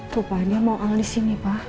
tuh pak dia mau al di sini pak